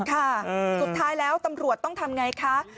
ค่ะสุดท้ายแล้วตำรวจต้องทำไงคะ